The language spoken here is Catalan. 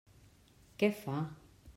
Què fa?